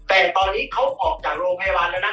แต่ตอนนี้เขาออกจากโรงพยาบาลแล้วนะ